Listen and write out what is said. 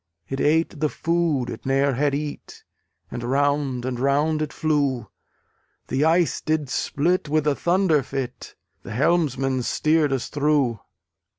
It ate the food it ne'er had eat, And round and round it flew. The ice did split with a thunder fit; The helmsman steered us through!